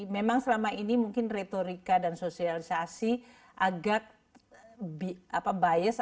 memang selama ini mungkin retorika dan sosialisasi agak bias